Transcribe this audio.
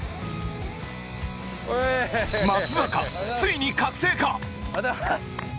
松坂ついに覚醒か！？